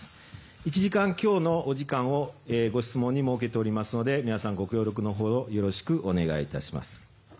１時間強のお時間をご質問に設けておりますので皆さんご協力のほどよろしくお願いいたします。